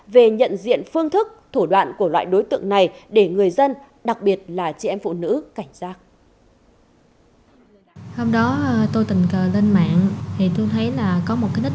về nhận diện phương thức thủ đoạn của loại đối tượng này để người dân đặc biệt là chị em phụ nữ cảnh giác